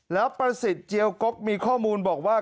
แล้วประสิทธิ์เจียวกกมีข้อมูลบอกว่า